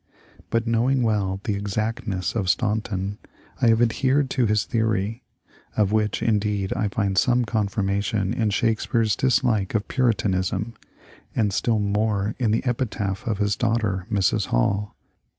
But knowing well the exactness of Staunton, I have adhered to his theory, — of which, indeed, I find some confirmation in Shakespeare's dislike of Puritanism, and still more in the epitaph of his daughter, Mrs. Hall.